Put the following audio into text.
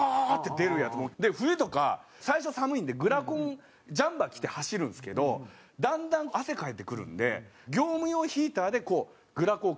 で冬とか最初寒いんでグラコンジャンパー着て走るんですけどだんだん汗かいてくるんで業務用ヒーターでこうグラコンを乾かすんですよ。